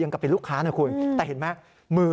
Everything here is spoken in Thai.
กับลูกค้านะครับคุณแต่เห็นไหม